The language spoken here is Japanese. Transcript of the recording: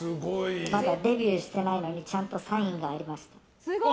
まだデビューしてないのにちゃんとサインがあります。